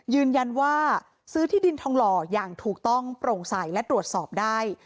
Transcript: ยืนยันว่าซื้อที่ดินทองหล่ออย่างถูกต้องโปร่งใสและตรวจสอบได้